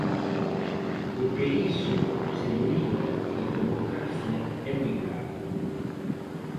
Porque iso, señoría, en democracia é moi grave.